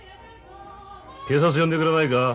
警察呼んでくれないか。